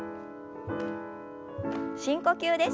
深呼吸です。